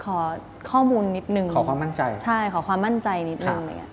ขอข้อมูลนิดนึงขอความมั่นใจขอความมั่นใจนิดนึง